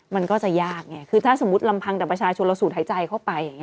มันก็จะยากไงคือถ้าสมมุติลำพังแต่ประชาชนเราสูดหายใจเข้าไปอย่างนี้